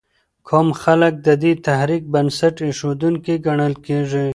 کوم خلک د دې تحریک بنسټ ایښودونکي ګڼل کېږي؟